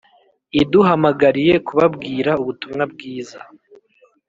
Iduhamagariye kubabwira ubutumwa bwiza